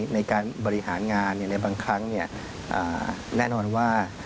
ในการบริหารงานในบางครั้งแน่นอนว่า